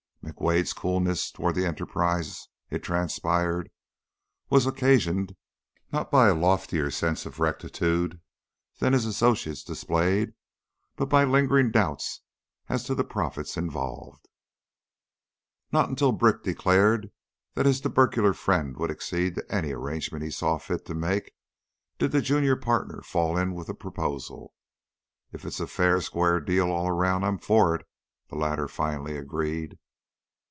McWade's coolness toward the enterprise, it transpired, was occasioned not by a loftier sense of rectitude than his associates displayed, but by lingering doubts as to the profits involved. Not until Brick declared that his tubercular friend would accede to any arrangement he saw fit to make did the junior partner fall in with the proposal. "If it's a fair, square deal all around, I'm for it," the latter finally agreed.